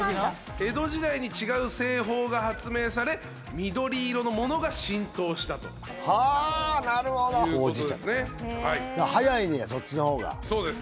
江戸時代に違う製法が発明され緑色のものが浸透したとはあなるほどほうじ茶とか早いねやそっちの方がそうです